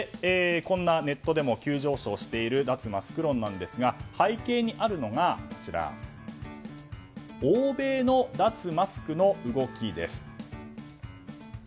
ネットでも急上昇している脱マスク論ですが背景にあるのが欧米の脱マスクの動きです。